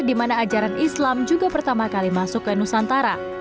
di mana ajaran islam juga pertama kali masuk ke nusantara